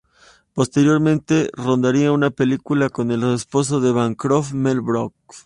Posteriormente rodaría una película con el esposo de Bancroft, Mel Brooks.